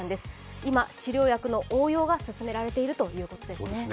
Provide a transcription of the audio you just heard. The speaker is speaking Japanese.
今、治療薬の応用が進められているということですね。